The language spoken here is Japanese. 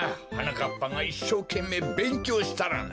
かっぱがいっしょうけんめいべんきょうしたらな。